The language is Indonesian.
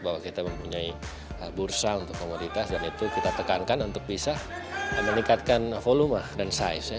bahwa kita mempunyai bursa untuk komoditas dan itu kita tekankan untuk bisa meningkatkan volume dan size